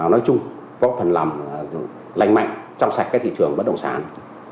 nói chung góp phần làm lành mạnh trong sạch thị trường bất động sản